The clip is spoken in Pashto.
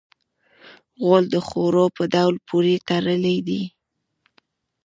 غول د خوړو په ډول پورې تړلی دی.